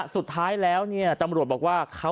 สุดท้ายแล้วตำรวจบอกว่า